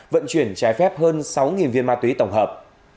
vận chuyển trái phép hơn sáu viên ma túy tổng hợp